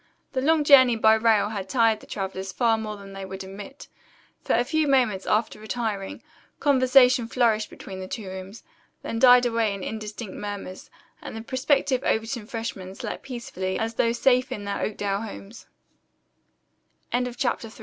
The long journey by rail had tired the travelers far more than they would admit. For a few moments, after retiring, conversation flourished between the two rooms, then died away in indistinct murmurs, and the prospective Overton freshmen slept peacefully as though s